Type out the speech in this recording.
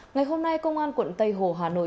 ngày hôm nay công an quận tây hồ hà nội